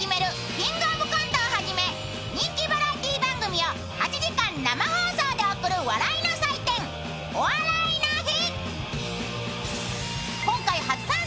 「キングオブコント」をはじめ人気お笑い番組を８時間生放送で送る笑いの祭典「お笑いの日」。